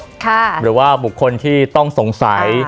หรือว่าบุคคลที่ต้องสงสัย